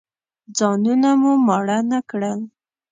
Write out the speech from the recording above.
ځانونه مو ماړه نه کړل.